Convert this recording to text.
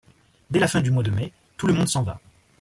Dès la fin du mois de mai, tout le monde s'en va.